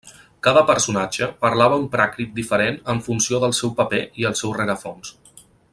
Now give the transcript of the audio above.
Cada personatge parlava un pràcrit diferent en funció del seu paper i el seu rerefons.